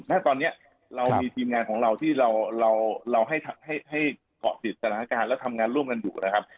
ณตอนนี้เรามีทีมงานของเราที่เราให้เกาะติดสถานการณ์และทำงานร่วมกันอยู่นะครับ